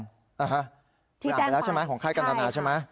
อ่านไปแล้วใช่ไหมของค่ายกันทนาใช่ไหม